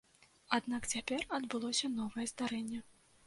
Аднак цяпер адбылося новае здарэнне.